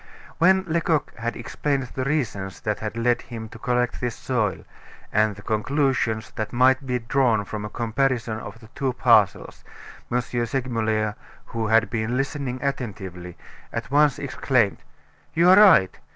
When Lecoq had explained the reasons that had led him to collect this soil, and the conclusions that might be drawn from a comparison of the two parcels, M. Segmuller, who had been listening attentively, at once exclaimed: "You are right.